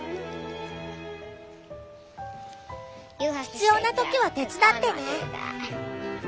必要なときは手伝ってね。